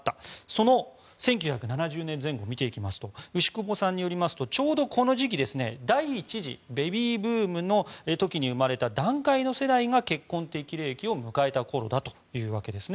その１９７０年前後を見ていきますと牛窪さんによりますとちょうどこの時期第１次ベビーブームの時に生まれた団塊の世代が結婚適齢期を迎えたということです。